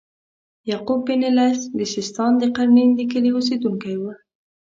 یعقوب بن اللیث د سیستان د قرنین د کلي اوسیدونکی و.